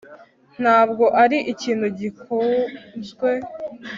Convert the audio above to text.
ntabwo ari ikintu gikunzwe